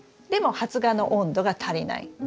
でも発芽の温度が足りない。